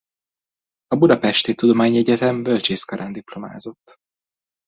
A budapesti tudományegyetem bölcsészkarán diplomázott.